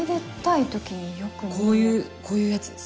こういうこういうやつです。